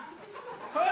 はい！